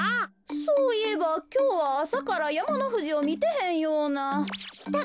そういえばきょうはあさからやまのふじをみてへんような。